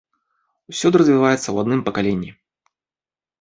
Усюды развіваецца ў адным пакаленні.